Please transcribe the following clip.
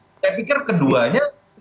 pilihan utama saya pikir keduanya